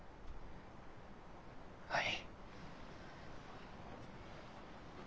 はい。